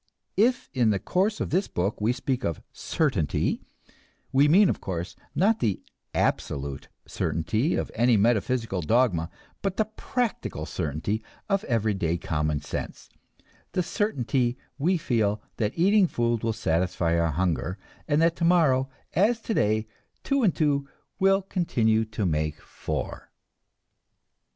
If in the course of this book we speak of "certainty," we mean, of course, not the "absolute" certainty of any metaphysical dogma, but the practical certainty of everyday common sense; the certainty we feel that eating food will satisfy our hunger, and that tomorrow, as today, two and two will continue to make four.